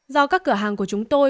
do các cửa hàng của chúng tôi